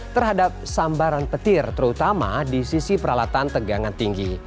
terhadap sambaran petir terutama di sisi peralatan tegangan tinggi